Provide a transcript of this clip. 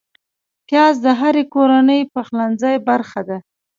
پیاز د هرې کورنۍ پخلنځي برخه ده